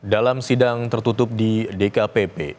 dalam sidang tertutup di dkpp